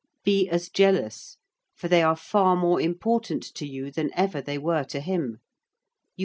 Be as jealous, for they are far more important to you than ever they were to him.